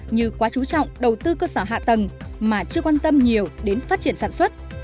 như quá chú trọng đầu tư cơ sở hạ tầng mà chưa quan tâm nhiều đến phát triển sản xuất